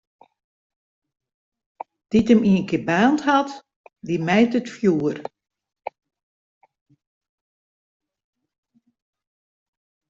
Dy't him ienkear baarnd hat, dy mijt it fjoer.